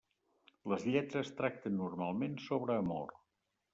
Les lletres tracten normalment sobre amor.